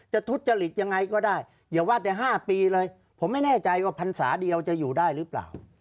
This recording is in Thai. ทุจริตยังไงก็ได้อย่าว่าแต่๕ปีเลยผมไม่แน่ใจว่าพรรษาเดียวจะอยู่ได้หรือเปล่า